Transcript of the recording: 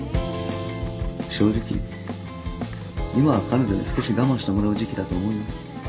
正直今は彼女に少し我慢してもらう時期だと思うよ